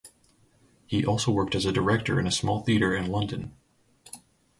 He also worked as a director in a small theatre in London.